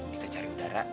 kita cari udara